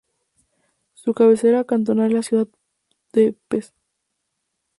Su cabecera cantonal es la ciudad de Pedernales.